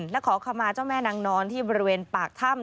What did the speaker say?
และขอขมาเจ้าแม่นางนอนที่บริเวณปากถ้ำ